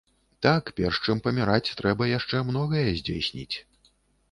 Так, перш чым паміраць, трэба яшчэ многае здзейсніць.